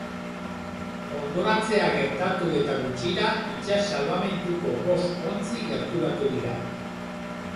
Hondoratzea gertatu eta gutxira itsas salbamenduko bost ontzi gerturatu dira.